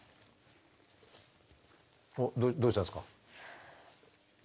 おっどうしたんですか？